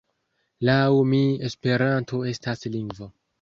Laŭ mi Esperanto estas lingvo.